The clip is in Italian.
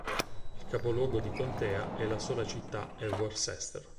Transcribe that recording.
Il capoluogo di contea e la sola città è Worcester.